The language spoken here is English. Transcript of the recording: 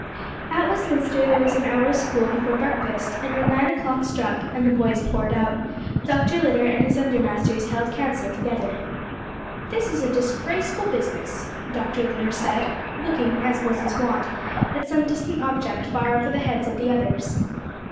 At Westminster there was an hour's school before breakfast, and when nine o'clock struck, and the boys poured out, Dr. Litter and his under masters held council together. "This is a disgraceful business!" Dr. Litter said, looking, as was his wont, at some distant object far over the heads of the others.